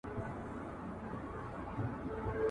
• د ژرندي زه راځم، غوږونه ستا سپېره دي.